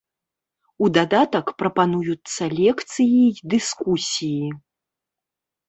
У дадатак прапануюцца лекцыі і дыскусіі.